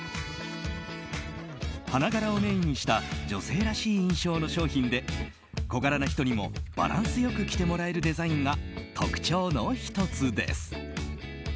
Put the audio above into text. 花柄をメインにした女性らしい印象の商品で小柄な人にもバランス良く着てもらえるデザインが特徴の１つです。